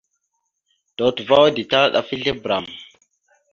Dotohəva aka ditala ɗaf a ezle bəram.